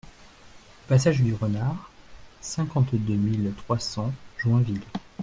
Passage du Renard, cinquante-deux mille trois cents Joinville